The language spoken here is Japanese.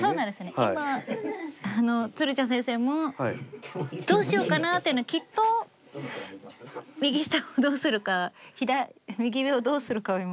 今つるちゃん先生もどうしようかなっていうのはきっと右下をどうするか右上をどうするかを今。